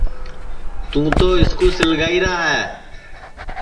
توں تو اِس کُو سِݪگائیرا ہے